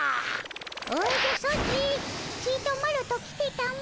おじゃソチちとマロと来てたも。